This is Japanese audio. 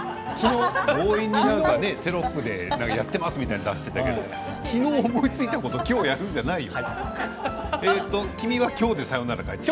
強引にテロップでやっていますみたいなことを出していますけど昨日、思いついたことを今日やるんじゃないよ。